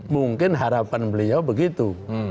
mungkin harapan beliau begitu